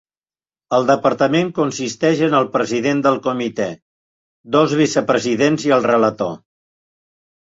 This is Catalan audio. El departament consisteix en el president del comitè, dos vicepresidents i el relator.